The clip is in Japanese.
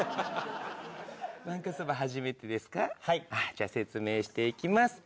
じゃあ説明していきます。